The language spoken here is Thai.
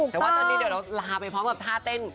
แต่ว่าแน่นอนนี้เดี๋ยวเราลาไปพร้อมแถวเต้น